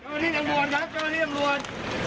เจ้านี่จำลวนครับเจ้านี่จำลวน